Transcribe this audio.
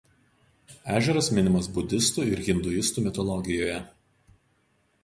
Ežeras minimas budistų ir hinduistų mitologijoje.